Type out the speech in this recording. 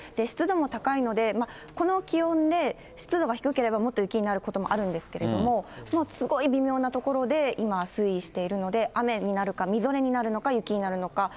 湿度も高いので、この気温で、湿度が低ければ、もっと雪になることもあるんですけれども、もうすごい微妙なところで、今、推移しているので、雨になるか、みぞれになるのか、雪になるのか。